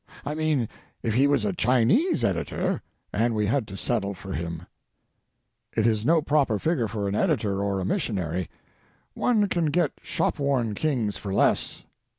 I mean, if he was a Chi 168 THE NORTH AMERICAN REVIEW. nese editor, and we had to settle for him. It is no proper figure for an editor or a missionary; one can get shop worn kings for less.